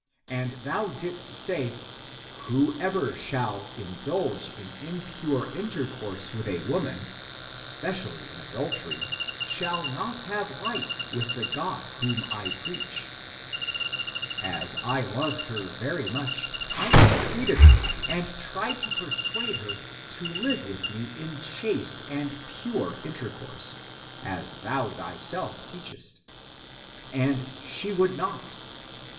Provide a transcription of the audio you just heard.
And thou didst say. " Whoever shall indulge in impure intercourse (with a woman), es pecially in adultery, shall not have life with the God ACTS OF THOMAS 271 whom I preach. As I loved her very much, 1 en treated her and tried to persuade her to Hve with me in chaste and pure intercourse, as thou thyself teachest. And she would not.